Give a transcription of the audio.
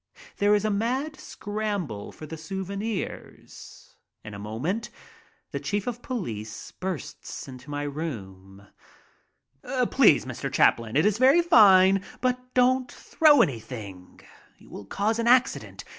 There is a mad scramble for the souvenirs. In a moment the chief of police bursts into my room. "Please, Mr. Chaplin, it is very fine, but don't throw any thing. You will cause an accident.